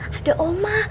pak ada oma